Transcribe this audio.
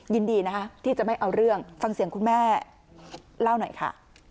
ยินดีนะคะที่จะไม่เอาเรื่องฟังเสียงคุณแม่เล่าหน่อยค่ะ